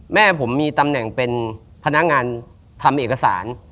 แม่ผมมีตำแหน่งเป็นพนักงานทำเอกสาร